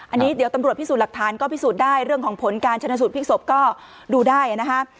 อันนี้เดี๋ยวตำรวจพิสูจน์หลักฐานก็พิสูจน์ได้เรื่องของผลการชนะสูตรพลิกศพก็ดูได้นะคะ